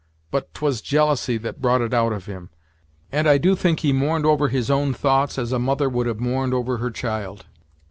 But 't was jealousy that brought it out of him, and I do think he mourned over his own thoughts as a mother would have mourned over her child."